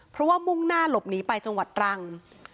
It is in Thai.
เพราะว่ามุ่งหน้าหลบหนีไปจังหวัดตรัง